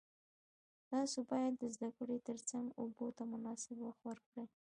تاسو باید د زده کړې ترڅنګ لوبو ته مناسب وخت ورکړئ.